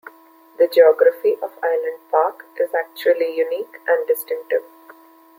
The geography of Island Park is actually unique and distinctive.